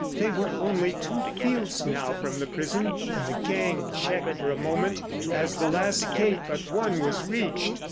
They were only two fields now from the prison, and the gang checked for a moment as the last gate but one was reached.